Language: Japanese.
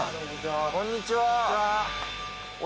こんにちは